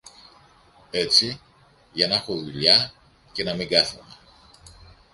έτσι για να 'χω δουλειά και να μην κάθομαι.